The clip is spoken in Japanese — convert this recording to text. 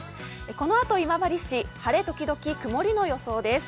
このあと、今治市、晴れ時々くもりの予想です。